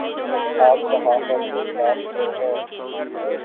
آپ صحافت کے خلاف کیوں ہیں